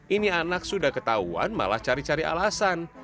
ini anak sudah ketahuan malah cari cari alasan